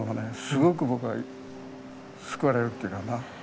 すごく僕は救われるっていうかな。